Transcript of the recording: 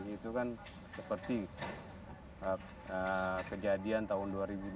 itu kan seperti kejadian tahun dua ribu dua puluh